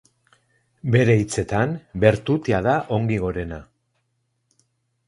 Bere hitzetan, bertutea da ongi gorena.